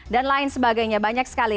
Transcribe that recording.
dan lain sebagainya banyak sekali